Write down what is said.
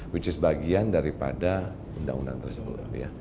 which is bagian daripada undang undang tersebut